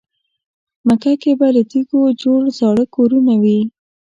مکه کې به له تیږو جوړ زاړه کورونه وي.